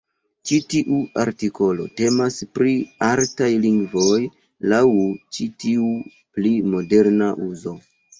Ĉi tiu artikolo temas pri "artaj lingvoj" laŭ ĉi tiu pli moderna uzo.